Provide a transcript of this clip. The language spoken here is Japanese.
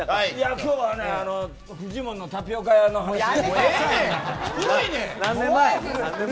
今日はフジモンのタピオカ屋の話を。